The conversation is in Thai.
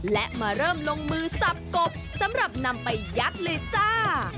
และมาเริ่มลงมือสับกบสำหรับนำไปยัดเลยจ้า